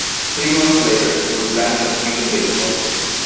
Three months later, he was banned from Cuban baseball.